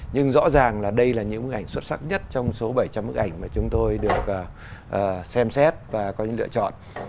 nhưng rõ ràng là đây là những bức ảnh xuất sắc nhất trong số bảy trăm linh bức ảnh mà chúng tôi được xem xét và có những lựa chọn